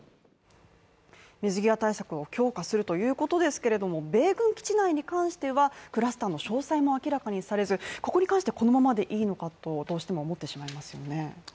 水際対策を強化するということですけれども米軍基地内に関しては、クラスターの詳細も明らかにされず、ここに関してはこのままでいいのかとどうしても思ってしまいますよね。